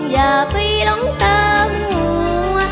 อย่าไปลงตามัว